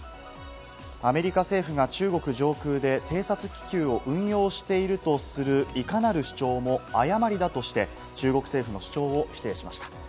アメリカ政府が中国上空で偵察気球を運用しているとする、いかなる主張も誤りだとして、中国政府の主張を否定しました。